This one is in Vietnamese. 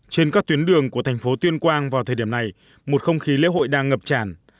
trên các tuyến đường của thành phố tuyên quang vào thời điểm này một không khí lễ hội đang ngập tràn